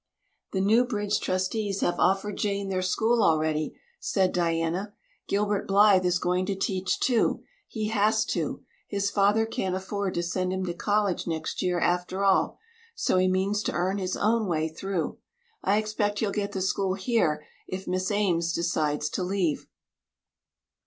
"The Newbridge trustees have offered Jane their school already," said Diana. "Gilbert Blythe is going to teach, too. He has to. His father can't afford to send him to college next year, after all, so he means to earn his own way through. I expect he'll get the school here if Miss Ames decides to leave."